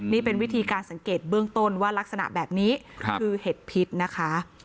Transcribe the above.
นี่เป็นวิธีการสังเกตเบื้องต้นว่ารักษณะแบบนี้คือเห็ดพิษนะคะ